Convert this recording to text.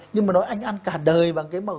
nhưng mà nói anh ăn cả đời bằng cái